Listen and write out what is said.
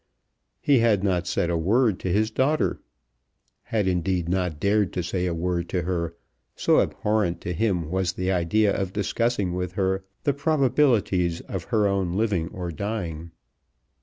He had not said a word to his daughter, had indeed not dared to say a word to her, so abhorrent to him was the idea of discussing with her the probabilities of her own living or dying.